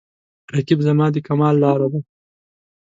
رقیب زما د کمال لاره ده